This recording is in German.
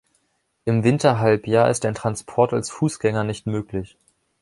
Im Winterhalbjahr ist ein Transport als Fußgänger nicht möglich.